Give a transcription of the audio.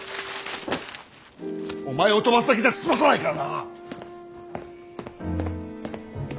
お前を飛ばすだけじゃ済まさないからな。